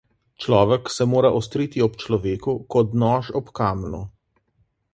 Človek se mora ostriti ob človeku kot nož ob kamnu.